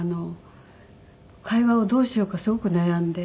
会話をどうしようかすごく悩んで。